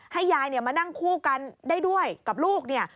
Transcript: ให้ยายมานั่งคู่กันได้ด้วยกับลูกเนี่ย